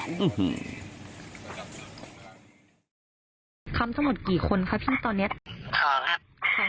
พวกพี่ก็ต้องรับภาระคนละเก้าแสน